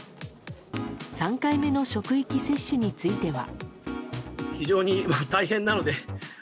３回目の職域接種については。